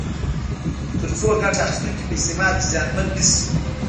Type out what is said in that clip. ترڅو ګټه اخیستونکي په استعمال کې زیانمن نه شي.